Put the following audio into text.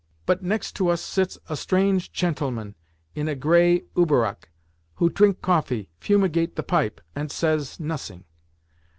But next to us sits a strange chentleman in a grey Uberrock, who trink coffee, fumigate the pipe, ant says nosing.